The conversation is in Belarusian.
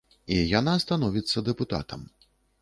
І яна становіцца дэпутатам.